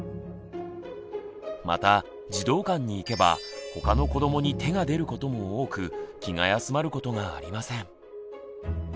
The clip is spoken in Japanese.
また児童館に行けばほかの子どもに手がでることも多く気が休まることがありません。